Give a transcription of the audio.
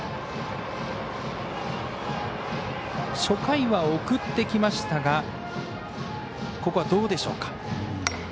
初回は送ってきましたがここは、どうでしょうか。